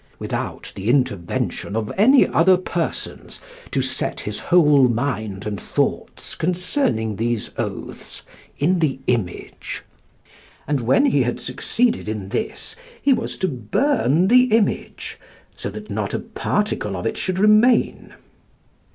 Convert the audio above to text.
"Without the intervention of any other persons, to set his whole mind and thoughts concerning these oaths in the image;" and when he had succeeded in this, he was to burn the image, so that not a particle of it should remain.